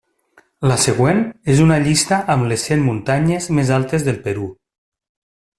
La següent és una llista amb les cent muntanyes més altes del Perú.